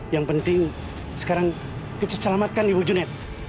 yang penting sekarang kita selamatkan ibu junet